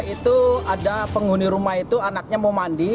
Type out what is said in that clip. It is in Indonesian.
itu ada penghuni rumah itu anaknya mau mandi